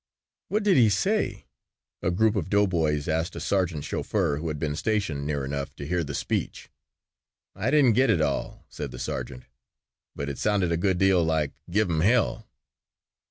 "What did he say?" a group of doughboys asked a sergeant chauffeur who had been stationed near enough to hear the speech. "I didn't get it all," said the sergeant, "but it sounded a good deal like 'give 'em hell.'"